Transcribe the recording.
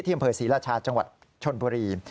ที่เผยศรีรชาติจังหวัดชนบุรี